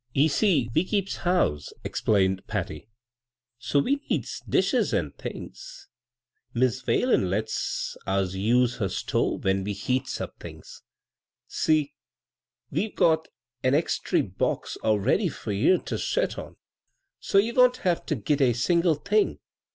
"Ye see, we keeps house," explained Patty, " so we needs dishes an' things. Mis* WhaJen lets us use her stove when we heats up things. See, we've got a eztry box awready :i,vGooglc CROSS CURRENTS for you ter set on, so we won't have t^ git a single thing.